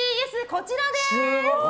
こちらです！